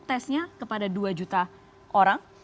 tesnya kepada dua juta orang